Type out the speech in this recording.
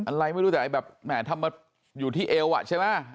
อะไรไม่รู้แต่แบบแหมทำมาอยู่ที่เอวอ่ะใช่ไหม